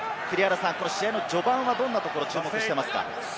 試合の序盤はどんなところに注目していますか？